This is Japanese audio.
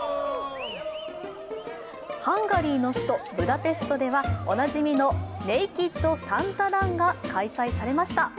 ハンガリーの首都ブダペストではおなじみのネイキッド・サンタ・ランが開催されました。